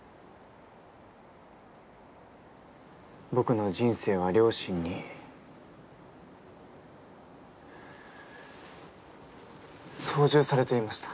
僕の人生は両親に操縦されていました。